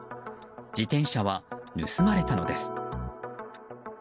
自転車は盗まれたのです。